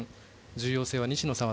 重要性は、西野さん